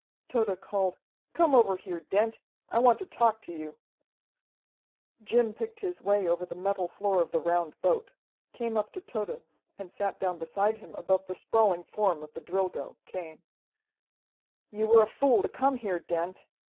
Tode called "Come over here, Dent! I want to talk to you!" Jim picked his way over the metal floor of the round boat, came up to Tode, and sat down beside him above the sprawling form of the Drilgo, Cain. "You were a fool to come here, Dent."